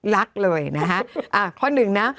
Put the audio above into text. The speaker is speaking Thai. รักเลยนะฮะ